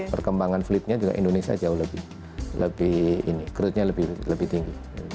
perkembangan fleetnya juga indonesia jauh lebih growth nya lebih tinggi